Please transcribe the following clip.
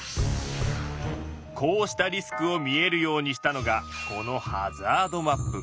こうしたリスクを見えるようにしたのがこの「ハザードマップ」。